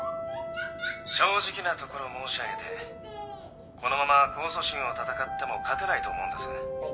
「正直なところ申し上げてこのまま控訴審を闘っても勝てないと思うんです」